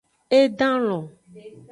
E dan lon.